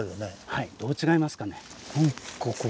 はいどう違いますかね？